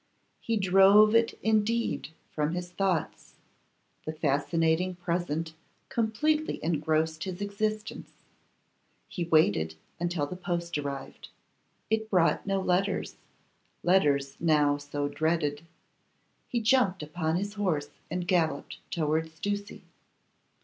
He drove it indeed from his thoughts; the fascinating present completely engrossed his existence. He waited until the post arrived; it brought no letters, letters now so dreaded! He jumped upon his horse and galloped towards Ducie.